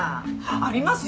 ありますよ。